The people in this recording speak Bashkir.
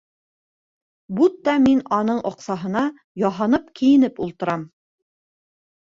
Бутта мин аның аҡсаһына яһанып-кейенеп ултырам!